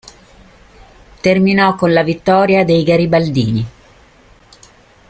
Terminò con la vittoria dei garibaldini.